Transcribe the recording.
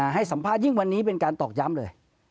ให้สัมภาษณ์ยิ่งวันนี้เป็นการตอกย้ำเลย